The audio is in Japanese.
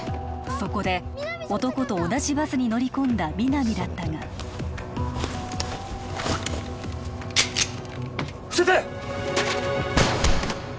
そこで男と同じバスに乗り込んだ皆実だったが伏せて！